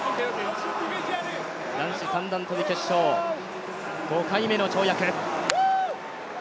男子三段跳決勝、５回目の跳躍。